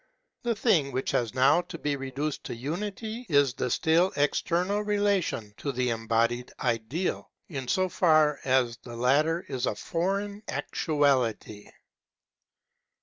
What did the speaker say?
The thing which has now to be reduced to unity is the still external relation to the embodied Ideal, in so far as the latter is a foreign actuality.